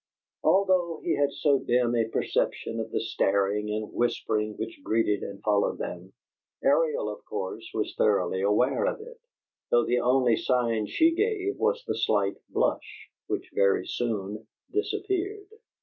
Although he had so dim a perception of the staring and whispering which greeted and followed them, Ariel, of course, was thoroughly aware of it, though the only sign she gave was the slight blush, which very soon disappeared.